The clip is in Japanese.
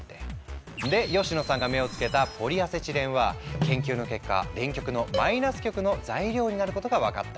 で吉野さんが目をつけた「ポリアセチレン」は研究の結果電極のマイナス極の材料になることが分かった。